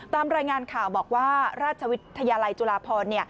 ตามรายงานข่าวบอกว่าราชวิทยาลัยจุฬาพร